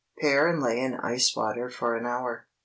Pare and lay in ice water for an hour.